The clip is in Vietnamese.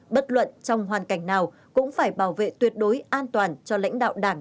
bất luận trong hoàn cảnh nào cũng phải bảo vệ tuyệt đối an toàn cho lãnh đạo đảng